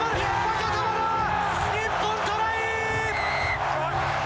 日本トライ！